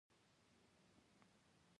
هېواد ته دعا وکړئ، خدمت وکړئ، وفاداره واوسی